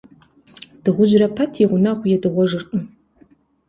Дыгъужьырэ пэт и гъунэгъу едыгъуэжыркъым.